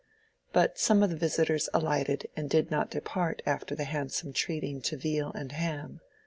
But some of the visitors alighted and did not depart after the handsome treating to veal and ham.